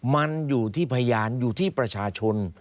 มันอยู่ที่พยานอยู่ที่ประชาชน